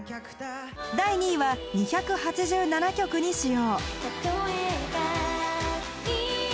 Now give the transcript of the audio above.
第２位は２８７曲に使用